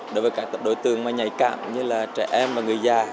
đối với các tập đối tường mà nhạy cạm như là trẻ em và người già